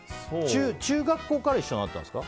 中学校から一緒なんですか？